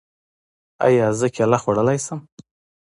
ایا زه کیله خوړلی شم؟